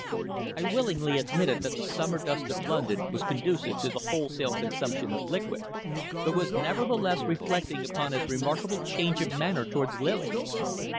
I willingly admitted that the summer dust of London was conducive to the wholesale consumption of liquid, but was nevertheless reflecting upon his remarkable change of manner towards Lily.